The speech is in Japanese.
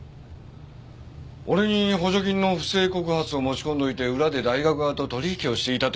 俺に補助金の不正告発を持ち込んどいて裏で大学側と取引をしていたって事ですか。